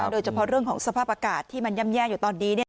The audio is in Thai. โดยเฉพาะเรื่องของสภาพอากาศที่มันย่ำแย่อยู่ตอนนี้